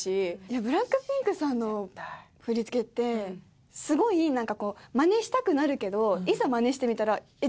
ＢＬＡＣＫＰＩＮＫさんの振り付けってすごいなんかこうマネしたくなるけどいざマネしてみたらえっ